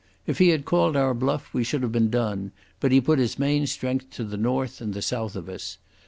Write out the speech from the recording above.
If he had called our bluff we should have been done, but he put his main strength to the north and the south of us.